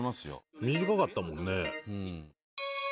短かったもんね。